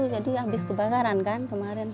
jadi habis kebakaran kemarin dua ribu tujuh belas